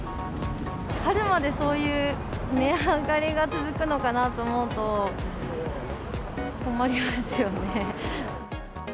春までそういう値上がりが続くのかなと思うと、困りますよね。